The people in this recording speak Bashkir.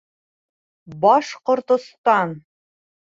БАШҠОРТОСТАН